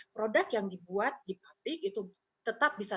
produk yang dibuat di pabrik itu tetap bisa